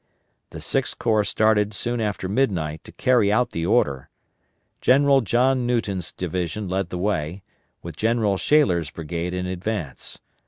The Sixth Corps started soon after midnight to carry out the order. General John Newton's division led the way, with General Shaler's brigade in advance.